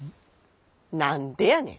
何でやねん！